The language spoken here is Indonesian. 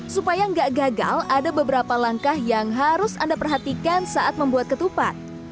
supaya nggak gagal ada beberapa langkah yang harus anda perhatikan saat membuat ketupat